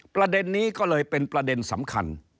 ประเด็นนี้ก็เลยเป็นประเด็นสำคัญ